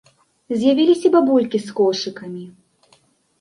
З'явіліся бабулькі з кошыкамі.